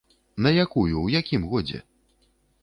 На якую, у якім годзе?